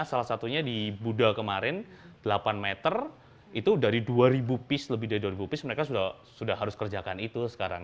salah satunya di buddha kemarin delapan meter itu dari dua ribu piece lebih dari dua ribu piece mereka sudah harus kerjakan itu sekarang